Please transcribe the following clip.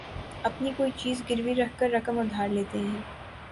اپنی کوئی چیز گروی رکھ کر رقم ادھار لیتے ہیں